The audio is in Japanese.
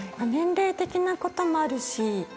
年齢的なこともあるし